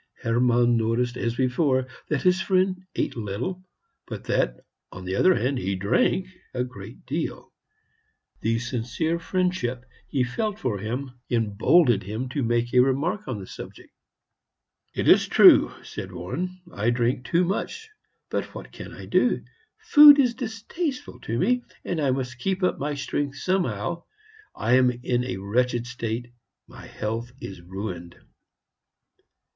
Hermann noticed, as before, that his friend ate little, but that, on the other hand, he drank a great deal. The sincere friendship he felt for him emboldened him to make a remark on the subject. "It is true," said Warren, "I drink too much; but what can I do? Food is distasteful to me, and I must keep up my strength somehow. I am in a wretched state; my health is ruined."